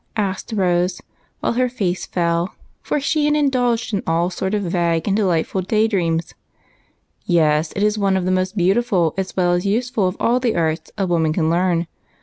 asked Rose, while her face fell, for she had indulged in all sorts of vague, delightful dreams. " Yes ; it is one of the most beautiful as well as use ful of all the arts a woman can learn.